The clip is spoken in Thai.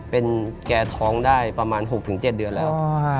เป็นแกท้องได้ประมาณ๖๗เดือนแล้ว